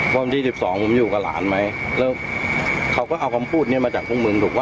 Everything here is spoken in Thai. วันที่๑๒ผมอยู่กับหลานไหมแล้วเขาก็เอาคำพูดนี้มาจากพวกมึงถูกว่า